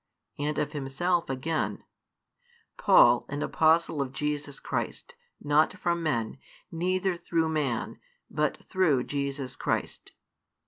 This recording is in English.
And of himself again: Paul, an apostle of Jesus Christ, not from men, neither through man, but through Jesus Christ.